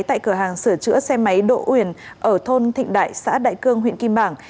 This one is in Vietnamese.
tại cửa hàng sửa chữa xe máy độ uyển ở thôn thịnh đại xã đại cương huyện kim bằng